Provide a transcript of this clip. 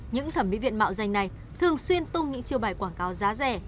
những thẩm mỹ viện mạo danh này thường xuyên tung những chiêu bài quảng cáo giá rẻ